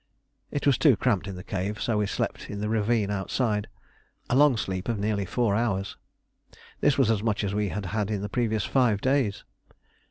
It was too cramped in the cave, so we slept in the ravine outside a long sleep of nearly four hours. This was as much as we had had in the previous five days.